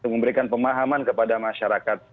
memberikan pemahaman kepada masyarakat